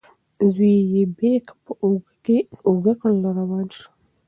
زوی یې بیک په اوږه کړ او روان شو.